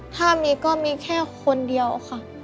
ถ้ามีก็มีแค่คนเดียวค่ะ